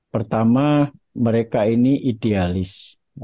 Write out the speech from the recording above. pertama mereka ini idealis